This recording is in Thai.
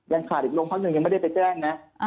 ยังขาดอีกโรงพักหนึ่งยังไม่ได้ไปแจ้งนะ